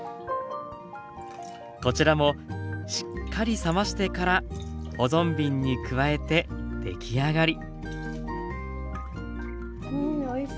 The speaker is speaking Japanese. こちらもしっかり冷ましてから保存瓶に加えてできあがり。